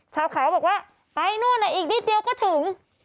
เขาบอกว่าไปนู่นอีกนิดเดียวก็ถึง